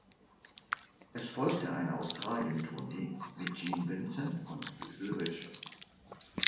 Es folgte eine Australien-Tournee mit Gene Vincent und Little Richard.